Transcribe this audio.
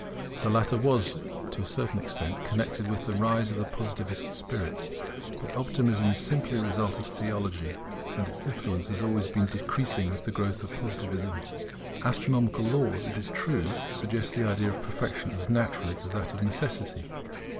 The latter was, to a certain extent, connected with the rise of the Positive spirit; but Optimism is simply a result of Theology; and its influence has always been decreasing with the growth of Positivism. Astronomical laws, it is true, suggest the idea of perfection as naturally as that of necessity.